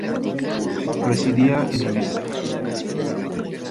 Residía en Ibiza.